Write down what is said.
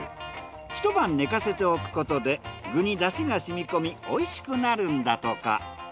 一晩寝かせておくことで具に出汁が染み込みおいしくなるんだとか。